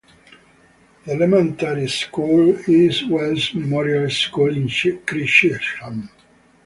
The elementary school is Wells Memorial School in Chesham.